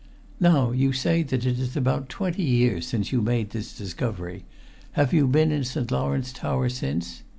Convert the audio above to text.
"Now, you say that it is about twenty years since you made this discovery. Have you been in St. Lawrence tower since?"